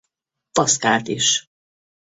Paszkált is.